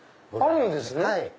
あるんですね。